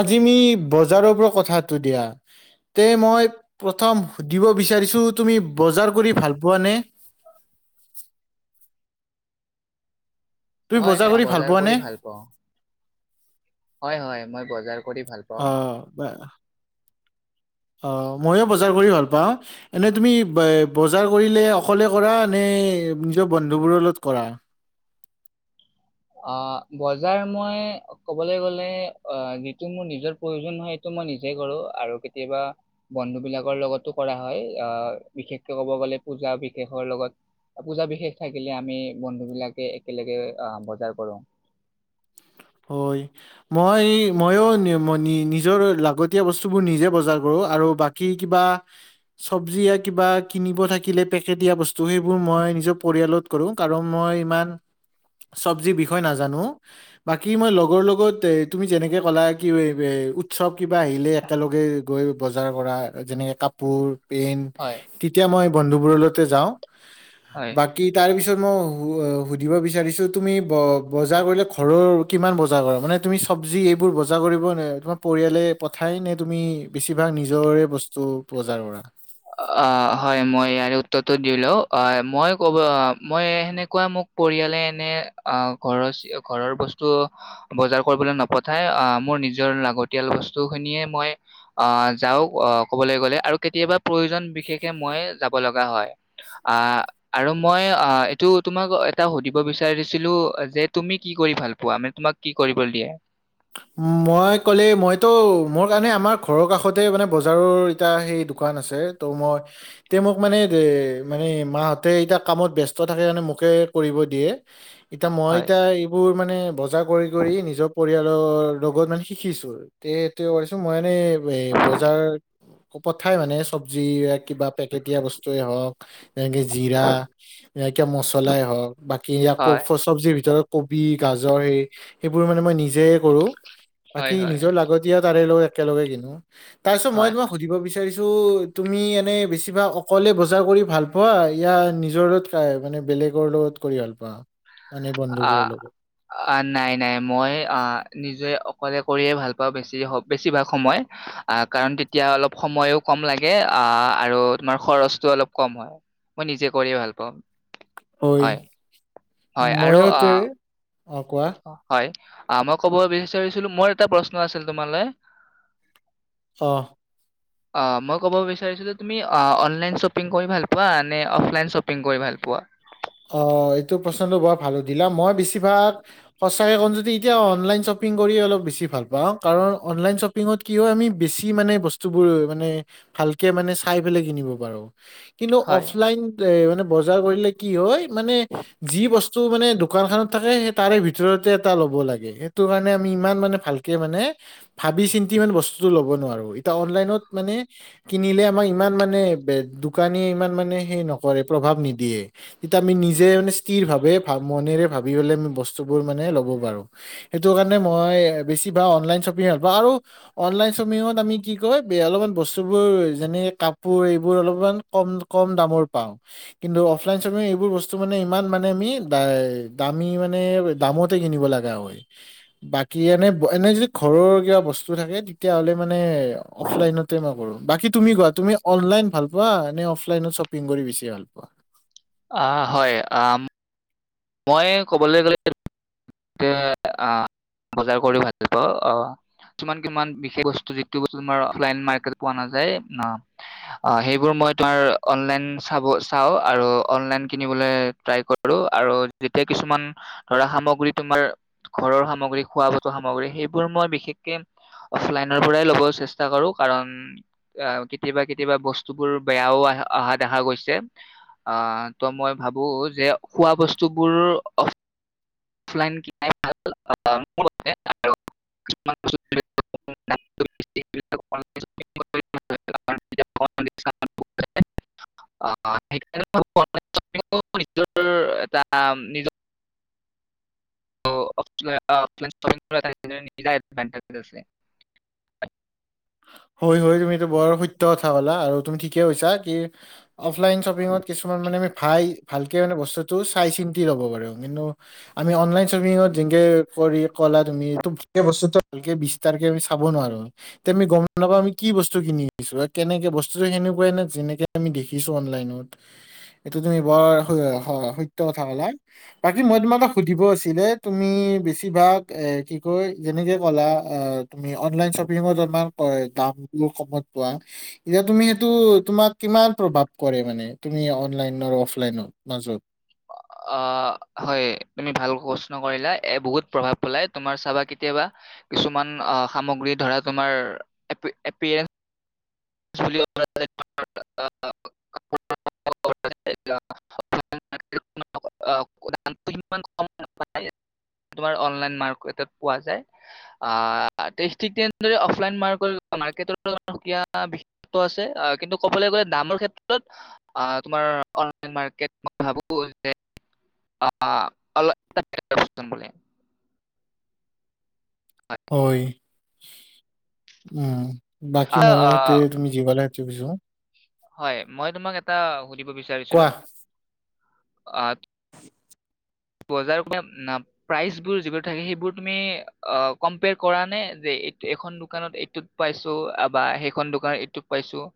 আজি নি বজাৰৰ পৰা কথাটো দিয়া, তে মই প্ৰথম সুধিব বিচাৰিছোঁ তুমি বজাৰ কৰি ভাল পোৱানে? তুমি হয় হয়, কৰি ভাল বজাৰ পোৱা নে কৰি ভাল পাওঁ। হয় হয়, মই বজাৰ কৰি ভাল পাওঁ অ', মন অ', মইও বজাৰ কৰি ভাল পাওঁ, এনে তুমি এই বজাৰ কৰিলে অকলে কৰা নে নিজৰ বন্ধু বোৰৰ লগত কৰা? অ', বজাৰ মই কবলৈ গলে অ', যিটো মোৰ নিজৰ পৰিজন হয় সৈতে মই নিজে কৰো আৰু কেতিয়াবা বন্ধু বিলাকৰ লগতো কৰা হয়, অ', বিশেষকৈ কব গলে পূজা বিশেষৰ লগত পূজা বিশেষ থাকিলে আমি বন্ধু ভিলকাই একেলগে অ', ব যাৰ কৰোঁ। হয়, মই-মইও নিম নি নিজৰ লাগতিয় বসবস্তুবোৰ নিজে বজাৰ কৰোঁ আৰু বাকী কিবা চব্জি যা কিবা কিনিব থাকিলে পেকেটিয় বস্তু সেইবোৰ মই নিজৰ পৰিয়ালত কৰো কাৰণ মই ইমান চব্জি বিশৈ নাজানো। বাকী মই লগৰ লগত তুমি যেনেকৈ ক'লা কি উৎসৱ কিবা আহিলে একেলগে গৈ বজাৰ কৰা যেনেকে কাপোৰ পেন হয় তেতিয়া মই বন্ধুবোৰৰ লগতেই যাওঁ। হয় বাকী তাৰ পিছত মই সুধিব বিচাৰিছোঁ তুমি ব বজাৰ কৰিলে খুব ঘৰৰ কিমান বজাৰ কৰা, মানে তুমি চবজি এইবোৰ বজাৰ কৰি পোৱা নে তোমাৰ পৰিয়ালে পঠাই নে তুমি বেছি ভাগ নিজৰে বস্তু বজাৰ কৰা? অ', হয় মই ইয়াৰে উত্তৰটো দি লওঁ আহ' মই কব আহ' মই এনেকুৱা মোক পৰিয়ালে এনে অ', ঘৰচীয়া ঘৰৰ বস্তু বজাৰ কৰিবলৈ নপঠাই অ', মোৰ নিজৰ লাগতিয়াল বস্তু খিনিয়ে মই অ', যাওঁ কবলৈ গলে আৰু কেতিয়াবা প্ৰয়োজন বিশেষকৈ মই যাব লগা হয় অ', আৰু মই অ', এইটো তোমাক এটা সুধিব বিচাৰিছিলো যে তুমি কি কৰি ভাল পোৱা, মানে তোমাক কি কৰিব দিয়ে? মই কলে, মইতো মোৰ কাৰণে আমাৰ ঘৰৰ কাষতেই মানে বজাৰৰ এটা সেই দোকান আছে তো' মই তেওঁ মোক মানে এ মানে মাহ'তে এতিয়া কামত ব্যস্ত থাকে কাৰণে মোকে কৰিব দিয়ে। এতিয়া মই হয় এতিয়া এইবোৰ মানে, বজাৰ কৰি কৰি নিজৰ পৰিয়াল লগৰ লগত মানে শিকিছোঁ তে এতিয়া ভাবিছোঁ মই মানে এ বজাৰ পথাই মানে চবজী কিবা পেকটিয়া বস্তুৱেই হওঁক, যেনকে জিৰা বা কিবা মছলাই হওঁক বাকী আকৌ হয় চবজিৰ ভিতৰত কবি, গাজৰ এই সেইবোৰ মানে মই নিজে কৰোঁ। হয় বাকী হয় নিজৰ লাগতিয়া তাৰে লৈ একেলগে কিনো। তাৰ পিছত মই হয় তোমাক সুধিব বিচাৰিছোঁ তো'তুমি এনে বেছিভাগ অকলে বজাৰ কৰি ভাল পোৱা য়া নিজৰ লগত কৈ মানে বেলেগৰ লগত কৰি ভাল পোৱা? মানে বন্ধুবোৰৰ অ', লগত অ' নাই-নাই মই অ'। নিজে অকলে কৰিয়ে ভাল পাওঁ বেছি, বেছিভাগ সময় অ', কাৰণ তেতিয়া অলপ সময়ো কম লাগে অ', আৰু তোমাৰ খৰচটো অলপ কম হয়, মই নিজে কৰি ভাল পাওঁ। অই? হয় হয় আৰু মইও তো অ', কোৱা। অ', মই কব বিচাৰিছিলো মোৰ এটা প্ৰশ্ন আছিল তোমালে। অ'। অ', মই কব বিচাৰিছিলো তুমি অ', অনলাইন শ্বপিং কৰি ভাল পোৱা নে অফলাইন শ্বপিং কৰি ভাল পোৱা। অ', এইটো প্ৰশ্নটো বৰ ভাল সুধিলা, মই বেছিভাগ সঁচাই কম যদি এতিয়া অনলাইন শ্বপিং কৰি অলপ বেছি ভাল পাও কাৰণ অনলাইন শ্বপিংত কি হয় আমি বেছি মানে বস্তুবোৰ মানে ভালকে মানে চাই পেলাই কিনিব পাৰো। কিন্তু হয় অফলাইন এ মানে বজাৰ কৰিলে কি হয়, মানে যি বস্তু মানে দোকান খেনত থাকে সেই তাৰে ভিতৰতে এটা লব লাগে সেইটো কাৰণে আমি ইমান মানে ভালকে মানে ভাবি চিন্তি মানে বস্তুতটো ল'ব নোৱাৰো এতিয়া অনলাইনত মানে কিনিলে আমাক ইমান মানে দোকানীয়ে ইমান মানে সেই নকৰে প্ৰভাৱ নিদিয়ে। তেতিয়া আমি নিজে স্থিৰ ভাৱে ভ মনেৰে ভাবিবলে বস্তুবোৰ মানে লব পাৰো, সেইটো কাৰণে মই বেছি ভাগ অনলাইন শ্বপিং ভাল পাওঁ, আৰু অনলাইন শ্বপিঙত আমি কি কয় অলপমান বস্তুবোৰ যেনে কাপোৰ এইবোৰ অলপমান কম কম দামৰ পাওঁ কিন্তু অফলাইন শ্বপিং এইবোৰ বস্তু মানে ইমান মানে আমি দা দামি মানে দামতে কিনিব লগা হয়, বাকী এনে ব এনে যদি ঘৰৰ কিবা বস্তু থাকে তেতিয়া হ'লে মানে অফলাইনতে মই কৰো, বাকী তুমি কোৱা তুমি কোৱা তুমি অনলাইন ভাল পোৱা? নে অফলাইনত শ্বপিং কৰি বেছি ভাল পোৱা? অ', হয়, আম মই ক'বলৈ গ'লে বজাৰ কৰি ভাল পাওঁ। আহ কিছমান কিমান বিশেষ বস্তু যিটো বস্তু তমাৰ অফলাইন মাৰ্কেট পোৱা নাযায়, সেইবোৰ মই তোমাৰ অনলাইন চাব চাওঁ আৰু অনলাইন কিনিবলৈ ট্ৰাই কৰো। আৰু যেতিয়া কিছুমান ধৰা সামগ্ৰী তোমাৰ ঘৰৰ সামগ্ৰী খোৱা বতোৱা সামগ্ৰী সেইবোৰ মই বিশেষকে অফলাইনৰ পৰাই লব চেষ্টা কৰো, কাৰণ আহ কেতিয়াবা কেতিয়াবা বস্তুবোৰ বেয়াও আহ অহা দেখা গৈছে আহ ত' মই ভাবো যে খোৱা বস্তুবোৰ অফ [unintelligible] [unintelligible] হয়-হয় তুমটো বৰ সত্য কথা ক'লা। আৰু তুমি ঠিকে কৈছা কি অফলাইন শ্বপিংত কিছুমান মানে চাই ভালকে মানে বস্তুটো চাই চিন্তি লব পাৰো, কিন্তু আমি অনলাইন শ্বপিংত যেনেকে কৰি কলা তুমি বস্তু ভালকে বিস্তাৰকে আমি চাব নোৱাৰো। তে গম নাপাম আমি কি বস্তু কিনি দিছো কেনেকে বস্তুটো সেনেকুৱাই নে যেনেকে আমি দেখিছো অনলাইনত, এইটো তুমি বৰ সত্য কথা কলা বাকী মই তোমাক এটা সুধিব আছিলে তুমি বেছিভাগ এ কি কয় যেনেকে ক'লা তুমি অনলাইন শ্বপিঙত তোমাৰ দামটো কমত পোৱা, এতিয়া তুমি সেইটো তোমাক কিমান প্ৰভাৱ কৰে মানে তুমি অনলাইন অফলাইনৰ মাজত? আহ, হয়, তুমি ভাল প্ৰশ্ন কৰিলা। এ বহুত প্ৰভাৱ পেলাই, তোমাৰ চাবা কেতিয়াবা কিছুমান সামগ্ৰী ধৰা তোমাৰ এপ এ পি এল [unintelligible] আছে কিন্তু কবলৈ গলে দামৰ ক্ষেত্ৰত তোমাৰ মই ভাবো যে অনলাইন মাৰ্কেট মই ভাবো যে [unintelligible] হয়, উম। আহ [unintelligible] কি বুজা হয়, মই তোমাক এটা সুধিব বিচাৰিছিলো কোৱা আ বজাৰ প্ৰাইজ বোৰ যিবোৰ থাকে সেইবোৰ তুমি অ কম্পেয়াৰ কৰা নে যে এইখন দুকানত এইটোত পাইছো বা সেইখন দোকানত এইটোত পাইছো।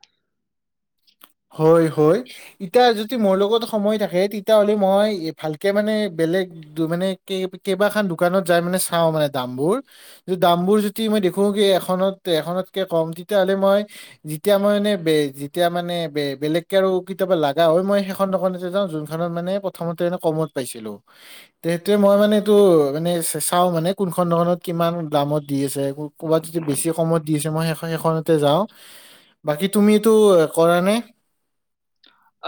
হয়-হয়। ইটা যদি মোৰ লগত সময় থাকে তেতিয়া হ'লে মই ভালকে মানে বেলেগ মানে কেইবাখান দোকানত যাই মানে চাওঁ মানে দামবোৰ, দামবোৰ যদি মই দেখো এখনত-এখনতকে কম তেতিয়াহ'লে মই যেতিয়া মই মানে যেতিয়া মানে বেলেগকে আৰু কেতিয়াবা লগা হয় মই সেইখন দোকানতে যাওঁ যোনখনত মানে প্ৰথমতে ম কমত পাইছিলো। সেইটোৱে মই মানে এইটো মানে চাওঁ মানে কোনখন দোকানত কিমান দামত দি আছে, কবাত যদি বেছি কমত দি আছে মই সেইখনতে যাওঁ। বাকী তুমি এইটো কৰা নে?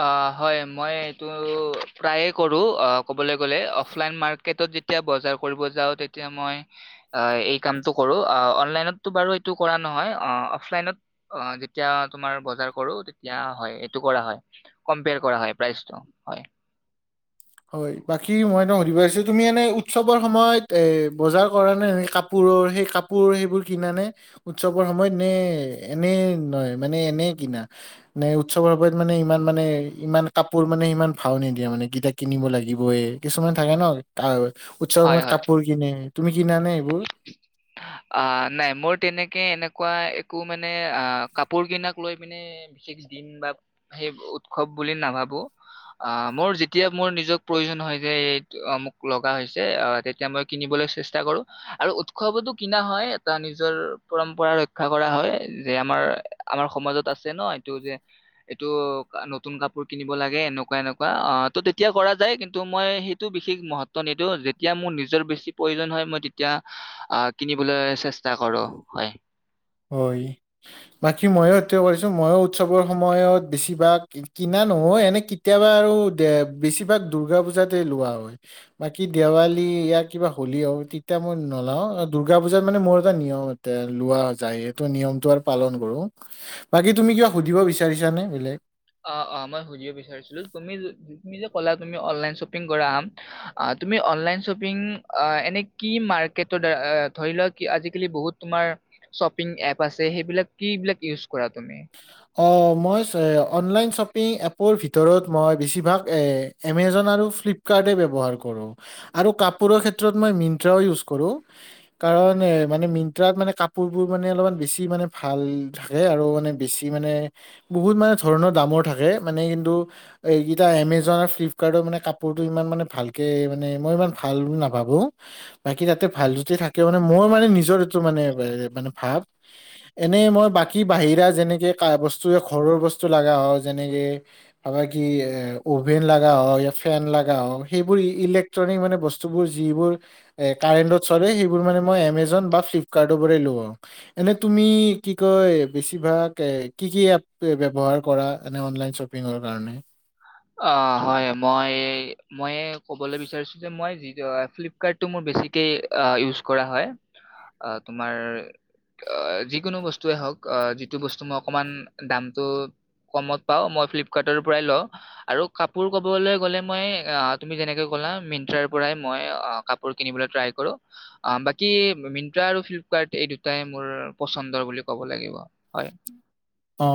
অ', হয়। মই এইটো প্ৰায়ে কৰো, ক'বলৈ গ'লে অফলাইন যেতিয়া বজাৰ কৰিব যাওঁ তেতিয়া মই এই কামটো কৰো অনলাইন বাৰু এটো কৰা নহয়। অহ অফলাইনত যেতিয়া তোমাৰ বজাৰ কৰো তেতিয়া হয়, এটো কৰা হয়। কম্পেয়াৰ কৰা হয় প্ৰাইজটো, হয়। হয়। বাকী মই সুধিব পাৰিছো, তুমি এনে উৎসৱৰ সময়ত এ বজাৰ কৰা নে, কাপোৰৰ সেই কাপোৰ সেইবোৰ কিনা নে, উৎসৱৰ সময়ত নে, এনে নহয় মানে এনে কিনা নে? উৎসৱৰ সময়ত মানে ইমান মানে ইমান কাপোৰ মানে ইমান ভাও নিদিয়া মানে গ কিনিব লাগিব এ কিছুমান থাকে ন উৎসৱ সময়ত কাপোৰ কিনে তুমি কিনা নে এইবোৰ আ নাই মোৰ তেনেকে এনেকুৱা একো মানে আহ কাপোৰ কিনাক লৈ মানে বিশেষ দিন বা সেই উৎসৱ বুলি নাভাবো, মোৰ যেতিয়া মোৰ নিজক প্ৰয়োজন হয় যে মোক লগা হৈছে তেতিয়া মই কিনিবলৈ চে চ কৰো আৰু উৎসৱতো কিনা হয় এটা নিজৰ পৰম্পৰা ৰক্ষা কৰা হয় যে আমাৰ আমাৰ সমাজত আছে ন এইটো যে এইটো নতুন কাপোৰ কিনিব লাগে এনেকুৱা এনেকুৱা অ ত' তেতিয়া কৰা যায় কিন্তু মই সেইটো বিশেষ মহত্ব নিদিওঁ যেতিয়া মোৰ নিজৰ বেছি প্ৰয়োজন হয় মই তেতিয়া আহ কিনিবলৈ চেষ্টা কৰো হয় হয় বাকী মইয়ো সেটোৱে কৰিছো, মই উৎসৱৰ সময়ত বেছিভাগ কিনা নহয় এনে কেতিয়াবা আৰু দে বেছিভাগ দূৰ্গা পুজাতে লোৱা হয়, বাকী দেৱালী ইয়া কিবা হলি হওক, তেতিয়া মই নলও দুৰ্গা পূজাত মানে মোৰ এটা নিয়ম এ লোৱা যাই নিয়মতটো আৰু পালন কৰো, বাকি তুমি কিবা সুধিব বিচাৰিছানে বেলেগ অ অ মই সুধিব বিচাৰিছিলোঁ তুমি যে ক'লা তুমি অনলাইন শ্বপিং কৰা আ তুমি অনলাইন শ্বপিং আ এনে কি মাৰ্কেটৰ দ্বাৰা ধৰিলোৱা আজিকালি বহুত তোমাৰ শ্বপিং এপ আছে সেইবিলাক কি বিলাক ইউজ কৰা তুমি? অ মই অনলাইন শ্বপিং এপৰ ভিতৰত মই বেছিভাগ এমেজন আৰু ফ্লিপকাৰ্টে ব্যৱহাৰ কৰোঁ, আৰু কাপোৰৰ ক্ষেত্ৰত মই মিন্ত্ৰাও ইউজ কৰো, কাৰণ মানে মিন্ত্ৰাত মানে কাপোৰবোৰ মানে অলপমান বেছি মানে ভাল থাকে, আৰু মানে বেছি আমি মানে বহুত মানে ধৰণৰ দামৰ থাকে, মানে কিন্তু এইগিটা এমেজন, ফ্লিপকাৰ্ট ৰ মানে কাপোৰতো ইমান মানে ভালকে মানে মই ইমান ভাল বুলি নাভাবোঁ, বাকি তাতে ভাল যদি থাকে মানে মোৰ মানে নিজৰ সেইটো মানে ভাৱ, এনেই মই বাকি বাহিৰা যেনেকে বস্তু ঘৰৰ বস্তু লগা হ যেনেকে ভাবা কি এ অভেন অ বস্তু বিলাক ঘৰৰ বস্তু লগা হয়। যেনেকে ধৰা কি অ, ভেন লগা হয়। য়া ফেন লগা হ'ল সেইবোৰ ইলেক্ট্ৰনিক মানে বস্তুবোৰ যিবোৰ এ কাৰেন্টত চলে। সেইবোৰ মানে মই এমেজন বা ফ্লিপকাৰ্টৰ পৰা লওঁ। এনে তুমি কি কয় বেছিভাগ এ।। কি, কি এপ্? ব্যৱহাৰ কৰা এ অনলাইন শ্বপিংৰ কাৰণে অ হয় মই এই, মই এই ক'বলৈ বিচাৰিছো যে মই যি য ফ্লিপকাৰ্ট টো মোৰ বেছিকে ইউচ কৰা হয়। আ তোমাৰ আ যিকোনো বস্তুৱেই হওক আ যিটো বস্তু মই অকণমান দামটো কমত পাওঁ, মই ফ্লিপকাৰ্টৰ পৰাই লওঁ। আৰু কাপোৰ কবলৈ গলে মই তুমি যেনেকে ক'লা আৰু কাপোৰ ক'বলৈ গ'লে মই আ তুমি যেনেকে ক'লা মিন্টাৰ পৰাই মই কাপোৰ কিনিবলৈ ট্ৰাই কৰো। বাকী মিন্টা আৰু ফ্লিপকাৰ্ট এই দুটাই মোৰ পছন্দৰ বুলি ক'ব লাগিব। হয়। অ।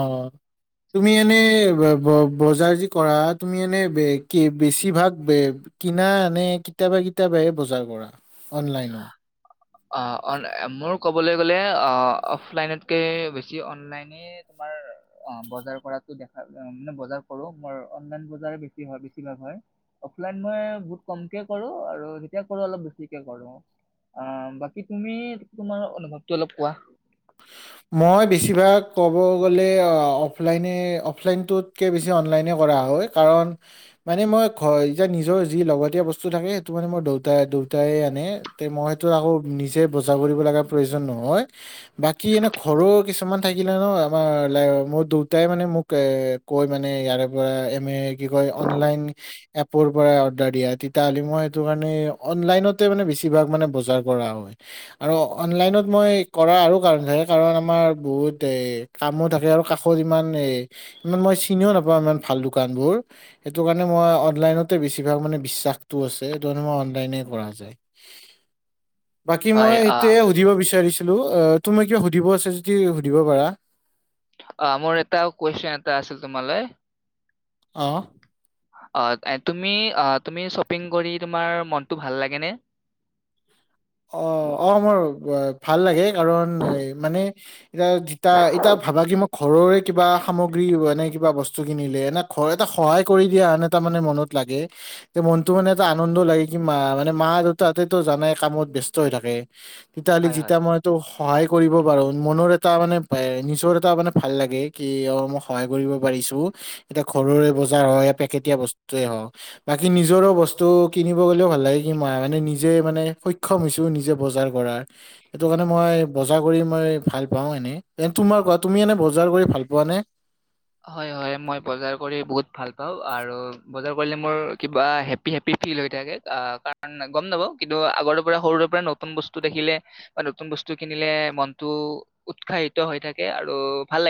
তুমি এনেই ব ব বজাৰ যি কৰা তুমি এনে কি বেছি ভাগ কিনা নে কেতিয়াবা কেতিয়াবাহে বজাৰ কৰা? অনলাইনত? অ মোৰ কব গলে অ অফলাইনতকে বেছি অনলাইনে তোমাৰ বজাৰ কৰাটো দেখা মানে বজাৰ কৰো। মোৰ অনলাইন বজাৰে বেছি ভাগ হয়। অফলাইন মই বহুত কমকে কৰো আৰু যেতিয়া কৰো অলপ বেছিকে কৰোঁ। কৰো আহ বাকী তুমি তোমাৰ অনুভৱটো অলপ কোৱা? মই বেছিভাগ ক'ব গলে অফলাইনে, অফলাইনটোতকে বেছি অনলাইনে কৰা হয়। কাৰণ মানে মই এতিয়া নিজৰ যি লগতীয়া বস্তু থাকে মই বেছি ভাগ, ক'ব গ'লে অ, অফলাইনে অফলাইনটোকে বেছি অনলাইনে কৰা হয়। কাৰণ মানে মই ঘৰৰ এতিয়া নিজৰ যি লাগতীয়াল বস্তু থাকে। সেই টো মানে মোৰ দেউতাই দেউতাই আনে তে মই টো আকৌ নিজে বজাৰ কৰিব লগা প্ৰয়োজন নহয় বাকী এনে ঘৰৰ কিছুমান থাকিলে ন আমাৰ লাইক মোৰ দেউতাই মানে মোক কয় মানে ইয়াৰে পৰা এম এ কি কয়, অনলাইন এপৰ পৰা অৰ্ডাৰ দিয়া তেতিয়া হ'লে মই সেইটো মানে অনলাইনতে মানে বেছিভাগ মানে বজাৰ কৰা হয়। আৰু অনলাইনত মই কৰা আৰু কাৰণ থাকে কাৰণ আমাৰ বহুত এই কামো থাকে আৰু কাকো ইমান মই চিনিও নাপাওঁ। ইমান ভাল দোকান বোৰ সেইটো কাৰণে মই অনলাইনতে বেছি ভাগ বিশ্বাসটো আছে। সেই টো কাৰণে মোৰ অনলাইনে কৰা যায়। বাকী হয় মই সেই আ টোয়ে সুধিব বিচাৰিছোঁ।। আৰু তুমি কি।। সুধিব আছে যদি সুধিব পাৰা। অ মোৰ এটা কুৱেশন এটা আছিল তোমালৈ? অহ অ এ তুমি তুমি শ্বপিং কৰি তোমাৰ মনটো ভাল লাগে নে? অ অ মোৰ ভাল লাগে কাৰণ মানে এ যেতিয়া এতিয়া ভাবা কি মই ঘৰৰে কিবা সামগ্ৰী মানে কিবা বস্তু কিনিলে এনেই ঘৰ এটা সহায় কৰি দিয়া আন এটা মানে মনত লাগে যে মনটো মানে এটা আনন্দ লাগে কি মা মানে মা দেউতাহতেঁতো জানাই কামত ব্যস্ত হৈ থাকে। তেতিয়াহ'লে হয় হয়। যেতিয়া মইতো সহায় কৰিব পাৰো মনৰ এটা মানে।। নিজৰ এটা মানে ভাল লাগে কি অ মই সহায় এ, নিজৰ এটা মানে ভাল লাগে কি অ মই সহায় কৰিব পাৰিছো। এতিয়া ঘৰৰে বজাৰ হয় পেকেটয়া বস্তুে হওঁক বাকি নিজৰ বস্তু কিনিব গ'লেও ভাল লাগে কি মই মানে নিজে মানে।। সক্ষম হৈছো নিজে বজাৰ কৰা সেইটো কাৰণে মই বজাৰ কৰি মই ভাল পাওঁ এনে। তুমি এনে বজাৰ কৰি ভাল পোৱা নে? হয় হয় মই বজাৰ কৰি বহুত ভাল পাওঁ আৰু বজাৰ কৰিলে মোৰ কিবা হেপ্পী্ হেপ্পী্ ফিল হৈ থাকে। তাৰ কাৰণ গম নাপাওঁ কিন্তু আগৰ পৰা সৰুৰে পৰা নতুন বস্তু দেখিলে বা নতুন বস্তু কিনিলে মনতটো উৎসাহিত হৈ থাকে আৰু ভাল লাগে।